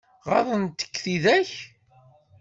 Ɣaḍent-k tidak?